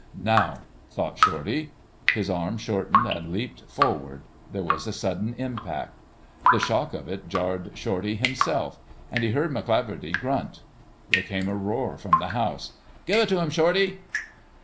"Now," thought Shorty. His arm shortened and leaped forward. There was a sudden impact. The shock of it jarred Shorty himself, and he heard McCleaverty grunt. There came a roar from the house. "Give it to him, Shorty."